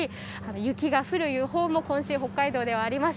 雪が降る予報も今週、北海道ではあります。